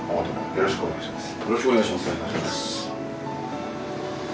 よろしくお願いします